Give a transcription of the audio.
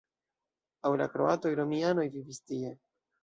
Antaŭ la kroatoj romianoj vivis tie.